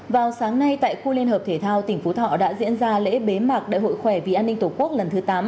vào sáng nay tại khu liên hợp thể thao tp hcm đã diễn ra lễ bế mạc đại hội khỏe vì an ninh tổ quốc lần thứ tám